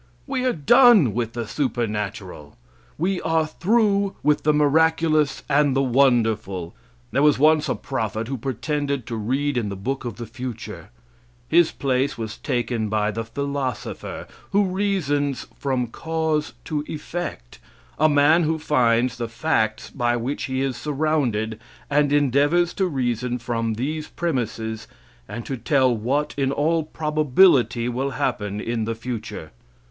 We are done with the supernatural. We are through with the miraculous and the wonderful. There was once a prophet who pretended to read in the book of the future. His place was taken by the philosopher, who reasons from cause to effect a man who finds the facts by which he is surrounded and endeavors to reason from these premises, and to tell what in all probability will happen in the future.